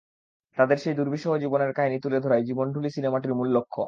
তাদের সেই দুর্বিষহ জীবনের কাহিনি তুলে ধরাই জীবনঢুলী সিনেমাটির মূল লক্ষ্য।